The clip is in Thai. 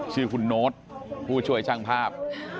ชื่อคุณโนสผู้ชวยจังภาพ